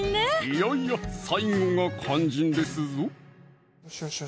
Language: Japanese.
いやいや最後が肝心ですぞ！